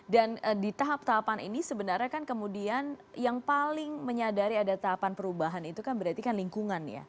dan di tahap tahapan ini sebenarnya kan kemudian yang paling menyadari ada tahapan perubahan itu kan berarti kan lingkungan ya